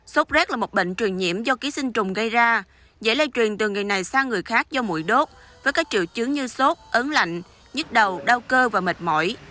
sốt rét là một bệnh truyền nhiễm do ký sinh trùng gây ra dễ lây truyền từ người này sang người khác do mũi đốt với các triệu chứng như sốt ấn lạnh nhích đầu đau cơ và mệt mỏi